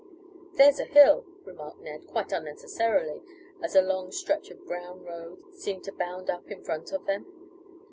"There's a hill," remarked Ned, quite unnecessarily, as a long stretch of brown road seemed to bound up in front of them.